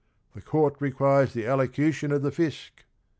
'The Court Requires the allocution of the Fisc